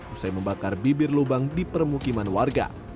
usai membakar bibir lubang di permukiman warga